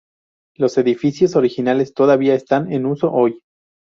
Los edificios originales todavía están en uso hoy.